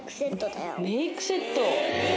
メイクセット！